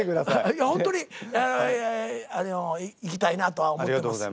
いやホントに行きたいなとは思ってます。